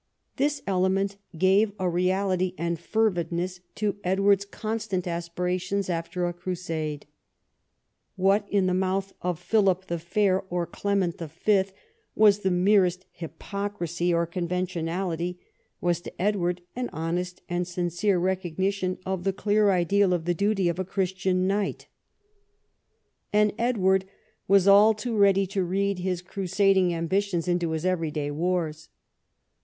This element gave a reality and fervidness to Edward's constant aspirations after a Crusade. What in the mouth of Philip the Fair or Clement V. was the merest hypocrisy or conventionality, was to Edward an honest and sincere recognition of the clear ideal of the duty of a Christian knight. And 70 EDWARD I chap. Edward was all too ready to read his crusading ambitions into his everyday wars.